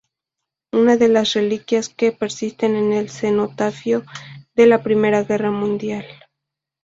Una de las reliquias que persisten es el cenotafio de la Primera Guerra Mundial.